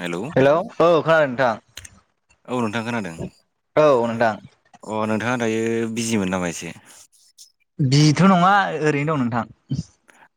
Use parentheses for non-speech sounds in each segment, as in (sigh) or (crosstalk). Hello hello औ खोनादों नोंथां औ नोंथां खोनादों। औ नोंथां अ नोंथाङा दायो बिजिमोन नामा एसे? बिथ' नङा ओरैनो दं नोंथां।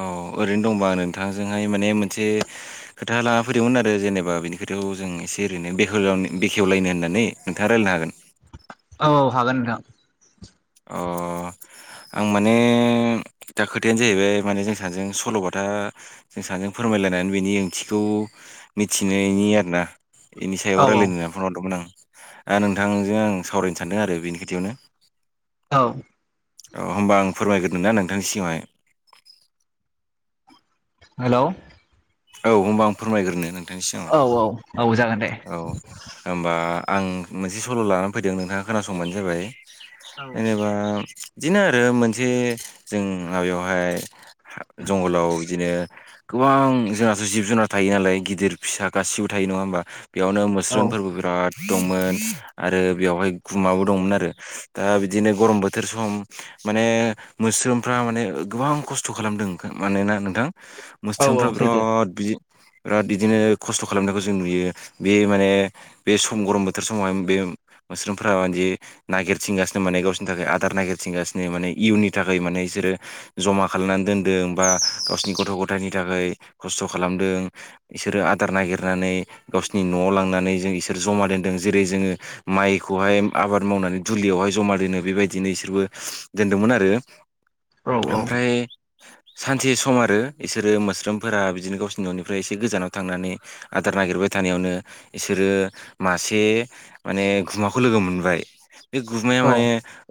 औ ओरैनो दंबा आं नोंथांजोंहाय माने मोनसे खोथा लाना फैदोंमोन आरो जेनेबा बिनि खोथाखौ जों एसे ओरैनो बेव बेखेवलायनो होननानै। नोंथांआ रायलायनो हागोन? औ हागोन नोंथां अ आं माने एथा खोथायानो जाहैबाय माने जों सानैजों सल'बाथा जों सानैजों फोरमायलायनानै बेनि ओंथिखौ मिथिनायनि आरोना बेनि सायाव औ औ रायज्लायनो होननानै फन हरदोंमोन आं ओ नोंथांजों आं सावरायनो सानदों आरो बेनि खोथियावनो औ औ होमबा आं फोरमायग्रोदों ना नोंथांनि सिगाङावहाय। हेलौ औ होनोमबा आं फोरमायग्रोनो नोंथांनि सिगाङाव औ-औ-औ जागोन दे औ होमबा आं मोनसे सल' लाना फैदों नोंथाङा खोनासंबानो जाबाय। औ जेनेबा बिदिनो आरो मोनसे जों माबायावहाय जंगलाव बिदिनो गोबां जोंनाथ' जिब-जुनार थायो नालाय गिदिर फिसा गासिबो थायो नङा होमबा। बेयावनो औ मोस्रोमफोरबो बिराद दंमोन आरो बेवहाय गुमाबो दंमोन आरो दा बिदिनो गरम बोथोर सम- माने मोस्रोमफ्रा माने गोबां खस्थ' खालामदों मानोना नोंथां औ औ मोस्थोमफ्रा सैथो बिराद बिदि बिराद बिदिनो खस्थ' खालामनायखौ जों नुयो बे माने बे सम गरम बोथोर समावहाय बे उ मोस्रोम नागिरथिंगासिनो माने गावसिनि थाखाय आदार नागिरथिंगासिनो माने इयुननि थाखाय माने इसोरो जमा खालामनानै दोनदों बा गावसोरनि गथ' गथायनि थाखाय खस्थ' खालामदों। इसोरो आदार नागिरनानै गावसिनि न'आव लांनानै जों इसोर जमा दोनदों जेरै जोङो माइखौहाय आबाद मावनानै दुलियावहाय जमा दोनो बेबायदिनो इसोरबो दोनदोंमोन आरो औ औ औ ओमफ्राय सानसे सम आरो इसोरो मोस्रोमफोरा बिदिनो गावसिनि न'निफ्राय एसे गोजानाव थांनानै आदार नागिरबाय थानायावनो इसोरो मासे माने गुमाखौ लोगो मोनबाय बे गुमाया माने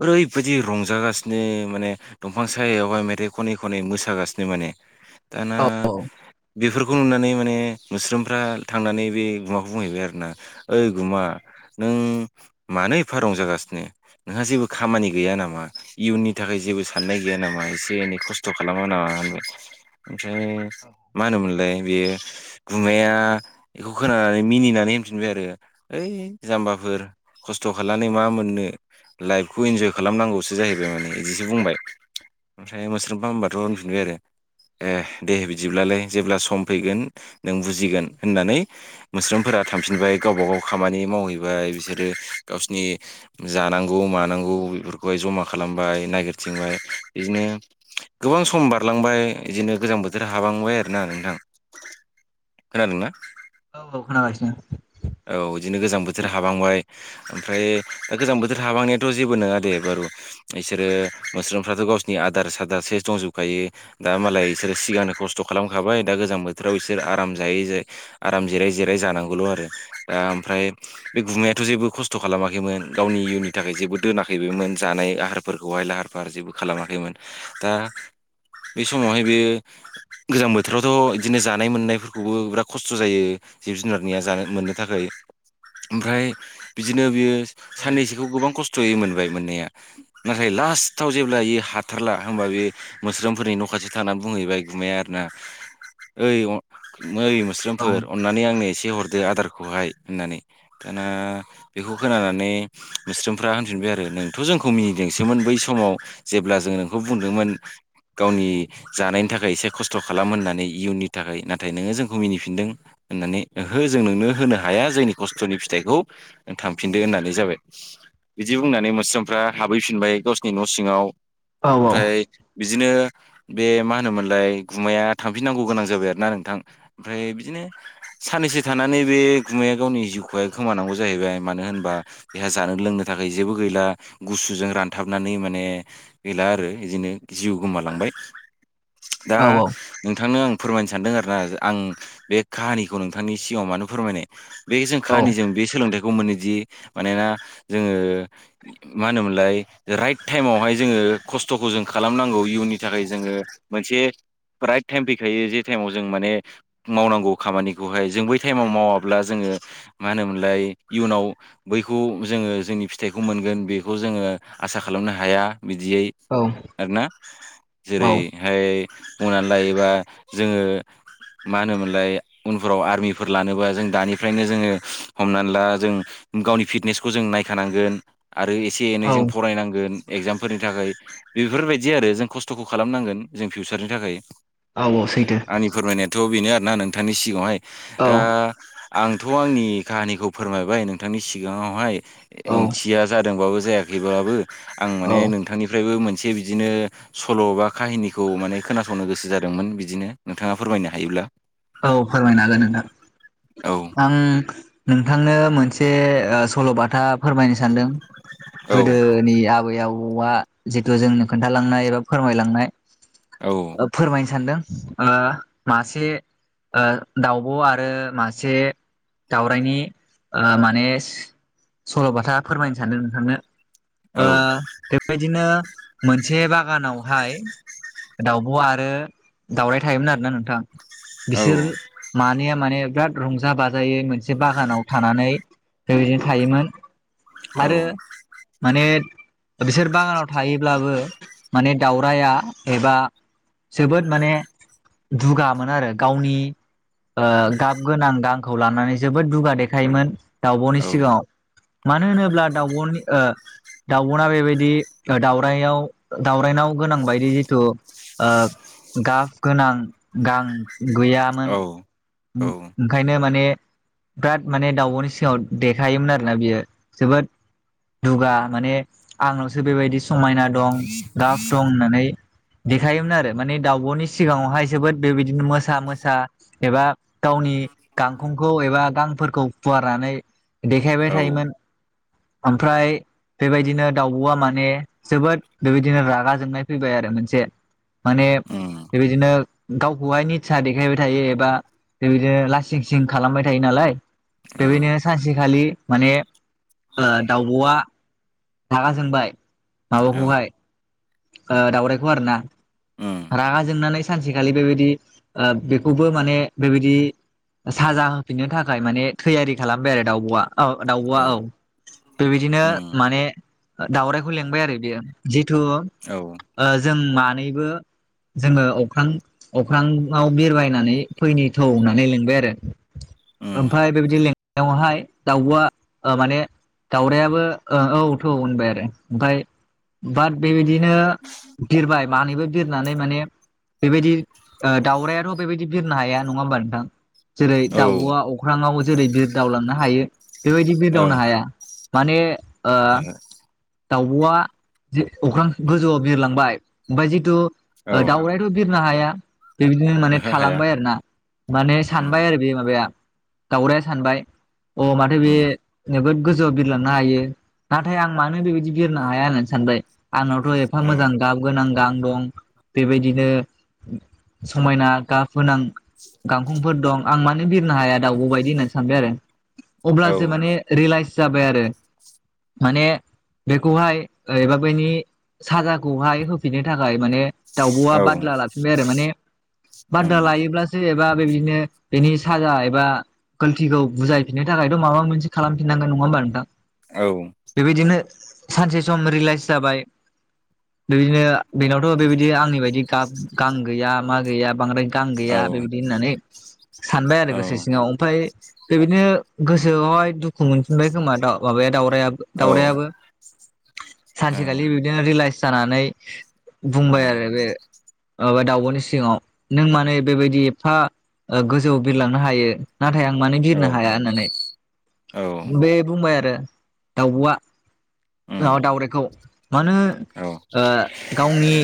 ओरैबायदि रंजागासिनो माने दंफां सायायावहाय मेथाइ खनै-खनै मोसागासिनो माने। दाना औ औ बेफोरखौ नुनानै माने मुस्रोमफ्रा थांनानै बे गुमाखौ बुंहैबाय आरोना ओइ गुमा नों मानो एफा रंजागासिनो नोंहा जेबो खामानि गैया नामा इयुननि थाखाय जेबो साननाय गैया नामा एसे एनै खस थ' खालामा नाङा ओमफ्राय मा होनोमोनलाय बेयो गुमाया बेखौ खोनानानै मिनिनानै होनफिनबाय आरो ओइ जाम्बाफोर खस्थ' खालानै मा मोननो लाइफखौ इन्जय खालामनांगौसो जाहैबाय माने इदिसो बुंबाय। ओमफ्राय मोस्रोमफ्रा होमबाथ' होनफिनबाय आरो ए दे बिदिब्लालाय जेब्ला सम फैगोन नों बुजिगोन होननानै मोस्रोमफोरा थांफिनबाय गावब गाव खामानि मावहैबाय बिसोरो गावसिनि जानांगौ मानांगौ बेफोरखौहाय जमा खालामबाय नागिरथिंबाय इदिनो गोबां सम बारलांबाय इदिनो गोजां बोथोर हाबांबाय आरोना नोंथां। खोनादोंना औ-औ खोनागासिनो। औ इदिनो गोजां बोथोर हाबांबाय ओमफ्राय ओ गोजां बोथोर हाबांनायाथ' जेबो नङा दे बारु इसोरो मोस्रोमफ्राथ' गावसिनि आदार सादारसे दंजोबखायो दा मालाय इसोरो सिगांनो खस्थ' खालामखाबाय दा गोजां बोथोराव इसोर आराम जायै-जायै आराम जिराय-जिराय जानांगौल' आरो दा ओमफ्राय बे गुमायाथ' जेबो खस्थ' खालामाखैमोन गावनि इयुननि थाखाय जेबो दोनाखैबोमोन जानाय आहार फोरखौहाय लाहार फाहार जेबो खालामाखैमोन दा बे समावहाय बेयो गोजां बोथोरावथ' इदिनो जानाय मोननायफोरखौबो बिराद खस स्थ' जायो जिब जुनारनिया जानो मोननो थाखाय ओमफ्राय बिदिनो बियो औ औ सैथो साननैसोखौ गोबां खस्थ'यै मोनबाय मोननाया नाथाय लास्टाव जेब्ला इयो हाथारला होमबा बेयो मोस्रोमफोरनि न' खाथि थानानै बुंहैबाय गुमाया आरोना ओइ अ ओइ मोस्रो फोर अननानै आंनो एसे हरदो आदारखौहाय होननानै दाना बेखौ खोनानानै मोस्रोमफ्रा होनफिनबाय आरो नोंथ' जोंखौ मिनिदोंसोमोन बै समाव जेब्ला जोंङो नोंखौ बुंदोंमोन गावनि जानायनि थाखाय एसे खस्थ' खालाम होननानै इयुननि थाखाय नाथाय नोङो जोंखौ मिनिफिनदों होननानै ओहो जों नोंनो होनो हाया जोंनि खस्थ'नि फिथाइखौ थांफिनदो होननानै जाबाय। बिदि बुंनानै मोस्रोमफ्रा हाबहैफिनबाय गावसिनि न' सिङाव ओमफ्राय बिदिनो बे मा होनोमोनलाय गुमाया थांफिननांगौ गोनां जाबाय आरो ना नोंथां। ओमफ्राय बिदिनो साननैसो थानानै बे गुमाया गावनि जिउखौहाय खोमानांगौ जाहैबाय मानो होनबा बेहा जानो लोंनो थाखाय जेबो गैला। गुसुजों रानथाबनानै माने गैला आरो एदिनो जिउ गोमालांबाय। दा नोंथांनो आं फोरमायनो सानदों आरोना आं बे खाहानिखौ नोंथांनि सिगाङाव मानो फोरमायनाय बे जों खाहानिजों बे सोलोंथाइ गम मोनोदि मानोना जोङो मा होनोमोनलाय राइट टाइमावहाय जोङो खस्थ'खौ जों खालामनांगौ। इयुननि थाखाय जोङो मोनसे राइट टाइम फैखायो जे टाइमाव जों माने मावनांगौ। खामानिखौहाय जों बै टाइमाव मावाब्ला जोङो मा होनोमोनलाय इयुनाव बैखौ जोङो जोंनि फिथाइखौ मोनगोन बेखौ जोङो आसा खालामनो हाया बिदियै आरो ना जेरै जेरैहाय बुंनानै लायोबा जोङो मा होनोमोनलाय उनफोराव आर्मिफोर लानोबा जों दानिफ्रायनो जोङो हमना ला जों गावनि फिटनेसखौ जों नायखानांगोन आरो एसे- एनै जों फरायनांगोन। एगजामफोरनि थाखाय बेफोरबायदि आरो जों खस्थ'खौ खालामनांगोन जों फिउचारनि थाखाय। औ औ सैथो। आंनि फोरमायनायाथ' बेनो आरोना नोंथांनि सिगाङावहाय औ दा आंथ' आंनि खाहानिखौ फोरमायबाय नोंथांनि सिगाङावहाय। ओंथिया जादोंबाबो जायाखैब्लाबो आं औ माने नोंथांनिफ्रायबो मोनसे बिदिनो सल' बा खाहिनिखौ माने खोनासंनो गोसो जादोंमोन। बिदिनो नोंथाङा फोरमायनो हायोब्ला? औ फोरमायनो हागोन नोंथां। औ आं नोंथांनो मोनसे ओ सल'बाथा फोरमायनो सानदों औ गोदोनि आबै- आबौ आबौआ जिथु जोंनो खोन्थालांनाय एबा फोरमायलांनाय औ। फोरमायनो सानदों ओ मासे ओ दाउब' आरो मासे दावरायनि ओ माने सल'बाथा फोरमायनो सानदों नोंथांनो। औ। ओ बेबायदिनो मोनसे बागानावहाय दाउब' आरो दाउराय थायोमोन आरोना नोंथां। औ बिसोर मानैया माने बिराद रंजा- बाजायै मोनसे बागानाव थानानै बेबायदिनो थायोमोन। औ आरो माने बिसोर बागानाव थायो। अब्लाबो माने दावरायआ एबा जोबोद माने दुगामोन आरो। गावनि ओ गाब गोनां गांखौ लानानै जोबोद दुगा देखायोमोन। दाउब'नि सिगाङाव। मानो होनोब्ला दाउब ओ दाउब'ना बेबायदि दावउरायआव दावरायनाव गोनां बायदि जिथु गाब गोनां गां गैया। औ औ (unintelligible) ओंखायनो माने बिराद माने दावउब'नि सिगाङाव देखायोमोन आरोना बियो। जोबोद दुगा माने आंनावसो बेबायदि समायना दं दा दं होननानै देखायोमोन आरो माने दाउब'नि सिगाङावहाय जोबोद बेबायदिनो (unintelligible) मोसा- मोसा एबा गावनि गांखंखौ एबा गांफोरखौ फुवारनानै देखायबाय औ थायोमोन ओमफ्राय बेबायदिनो दाउब'आ माने जोबोद बेबायदिनो रागा जोंनाय फैबाय आरो मोनसे माने उम बेबायदिनो गावखौहाय फसााह देखायबाय थायो एबा बेबायदिनो लासिं सिं खालामबाय थायो नालाय औ बेबायदिनो सानसेखालि माने दाउब'आ रागा सोंबाय औ माबाखौहाय दावरायाइखौ आरो ना, उम रागा जोंनानै सानसेखालि बेबायदि बेखौबो माने बेबायदि साजा होफिननो थाखाय माने थैयारि खालामबाय आरो दाउब'आ औ दाउब'आ औ बेबायदिनो उम माने दाावराइखौ लिेंबाय आरो बियो जिथु औ जों मानैबो जोङो अख्रां अख्रांआव बिरबायनानै फैनि थौ होननानै लिंबाय आरो उम ओमफ्राय बेबायदि लिनायावहाय दाउब'आ माने दाावरायाबो औ थ' औ होनबाय आरो ओमफफ्राय बााद बेबायदि बिदिनो बिरबाय मानैबो बिरनानै माने बेबायदि दाावरायाथ' बेबायदि बिरनो हाया नङा होमबा नोंथां जेरै औ दाउब'आ अख्राांाव जेरै बिरदावलांनो हायो बेबायदि बिरदावनो ओं हाया माने ओहो दाावब'आ जे अख्रां गोजौआव बिरलांबाय ओमफफ्राय जिथु औ दाउरायाथ' बिरनो हाया बेबायदिनो माने ओहो हाया थालांबाय आरो ना माने सानबाय उम, आरो बे माबाया दावरायाया सानबाय अ माथो बे उम, जोबोद गोजौआव बिरलांनो हायो नाथाय आं मानो बेबायदि बिरनो हाया होननानै सानबाय आंनावथ ' एफा औ मोजां गाब गोनां गां दं बेबायदिनो समायना गाब फोनां गांखंफोर दं आं मानो बिरनो हाया दाउब बायदि होननानै सानबाय आरो औ अब्ला जे माने रिलाइस जाबाय आरो माने बेखौहाय बा बेनि साजाखौहाय होफिननो थाखाय माने दाउब'आ उम, बादला लाफिनबाय आरो माने बादला औ लायोब्लासो एबा बेबायदिनो बेनि साजा एबा गल्थिखौ बुजायफिननो थाखायथ' माबा मोनसे खालामफिननांगोन नङा होमबा नोंथां औ बेबायदिनो सानसे सम रिलइस जाबाय बेबायदिनो बेनावथ' बेबायदि आंनि बायदि गान गैया मा गैया बांद्राय गां औ गैया बेबायदि होननानै सानबाय आरो औ गोसो सिङाव ओमफफ्राय बेबायदिनो गोसोआवहाय दुखु मोनफिनबाय खोमा माबाया दावउरायाबो औ दावरायाइाबो सानसेखालि बिदिनो रिलेक्स जानानै औ बुमबायाया आरो बे ा दाउब'नि सिगाङाव नों माने बेबायदि एफा गोजौ बिरलांनो हायो नाथाय आं मानो औ बिरनो हाया होननानै औ बे बुंबाय आरो दाउब'आा उम, दाउरायाइखौ मानो औ ओ गावनि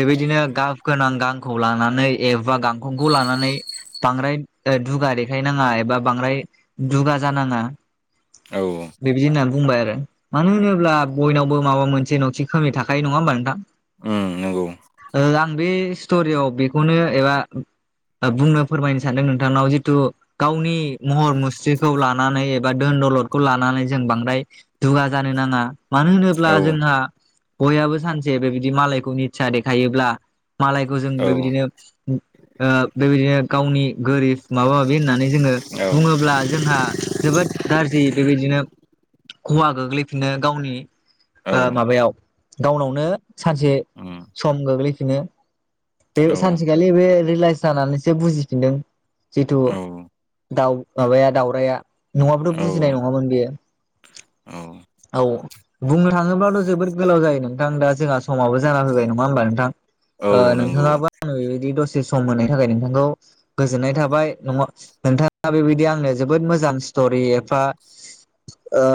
बेबायदिनो गाब गोनां गांखौ लानानै एबा गां गंग' लानानै बांग्राय ओ दुगा देखाय नङा एबा बांग्राय दुगा जानाङा औ बे बिदि होननानै बुंबाय आरो मानो होनोब्ला बयनावबो माबा मोनसे न'थिं खोमै थाखायो नङा होमबा नोंथां उम नोंगौ ओ आं बे स्ट'रियाव बेखौनो एबा ओ बुंनो फोरमायनो सानदों नोंथांनाव जिथु गावनि महर मुस्रिखौ लानानै एबा धोन दलदखौ लानानै जों बांद्राय दुगा जानो नाङा मानो होनोब्ला औ जोंहा बयहाबो सानसे बेबिदि मालायखौ निचा देखायोब्ला मालायखौ जों औ बेबिदिनो ओ बेबिदिनो गावनि गोरिब माबा माबि होननानै जोङो औ बुङोब्ला जोंहा जोबोद गाज्रि बेबिदिनो खहा गोग्लैफिननो गावनि औ ओ माबायाव गावनावनो सानसे उम, सम गोग्लैफिनो बे औ सानसेखालि बे रिलाइस जानानैसो बुजिफिनदों जिथु औ दाउ माबाया दाउरायया नङाबथ' बुजिनाय नङामोन बेयो। औ औ बुंनो थाङोब्लाथ' जोबोद गोलाव जायो नोंथां दा जोंहा समावबो जाना फैबाय नङा होमबा नोंथां औ ओ नंगौ नोंथाङाबो आं बेबायदि दसे सम मोननायनि थाखाय नोंथांखौ गोजोननाय थाबाय नङा नोंथाङा बेबायदि आंनो जोबोद मोजां स्ट'रि एफा ओ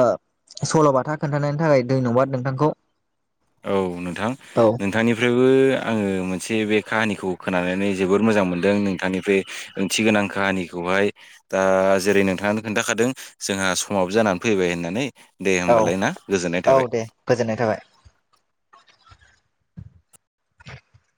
सल'बाथा खोन्थानायनि थाखाय धैन'बाद नोंथांखौ। औ नोंथां। औ नोंथांनिफ्रायबो आङो मोनसे बे काहानिखौ खोनानानै जोबोद मोजां मोनदों नोंथांनिफ्राय ओंथि गोनां काहानिखौहाय दा जेरै नोंथांआनो खोन्थाखादों जोंहा समाव जानानै फैबाय होननानै। दे औ होमबालाय ना गोजोननाय औ थाबाय। दे गोजोननाय थाबाय।